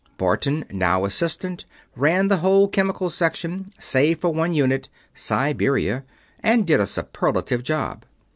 Barton, now Assistant, ran the whole Chemical Section save for one unit Siberia and did a superlative job.